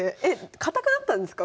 堅くなったんですか？